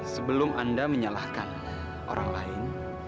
sebelum anda menyalahkan orang lain